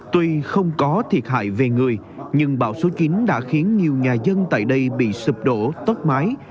tuy không có thiệt hại về người nhưng bão số chín đã khiến nhiều nhà dân tại đây bị sụp đổ tốc mái